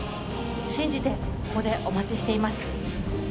信じて、ここでお待ちしています。